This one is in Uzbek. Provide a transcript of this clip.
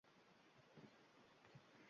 Qor uchqunlari siypalab qo‘yardi.